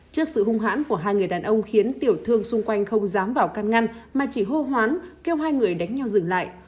trước sự hung hãn của hai người đàn ông khiến tiểu thương xung quanh không dám vào can ngăn mà chỉ hô hoán kêu hai người đánh nhau dừng lại